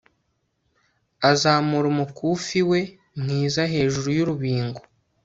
azamura umukufi we mwiza hejuru y'urubingo